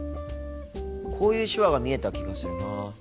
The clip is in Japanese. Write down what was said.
こういう手話が見えた気がするなぁ。